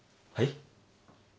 はい？